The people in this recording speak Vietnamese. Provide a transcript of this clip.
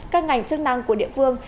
các ngành chức năng của địa phương